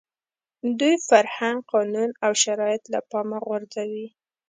دوی فرهنګ، قانون او شرایط له پامه غورځوي.